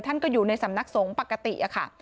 ท่านก็อยู่ในสำนักสงฆ์ปกติค่ะ